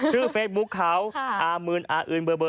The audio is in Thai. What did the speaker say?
ชื่อเฟซบุ๊กเค้า